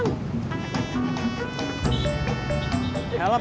halo melet jalur pak gua